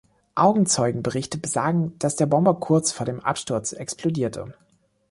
Augenzeugenberichte besagten, dass der Bomber kurz vor dem Absturz explodierte.